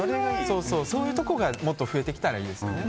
そういうところがもっと増えてきたらいいですよね。